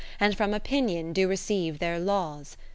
And from Opinion do receive their laws.